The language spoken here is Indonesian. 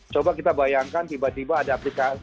coba kita bayangkan tiba tiba ada aplikasi